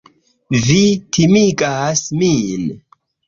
Vi timigas min.